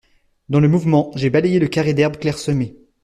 Dans le mouvement, j’ai balayé le carré d’herbes clairsemées.